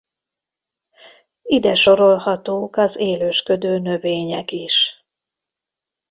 Ide sorolhatók az élősködő növények is.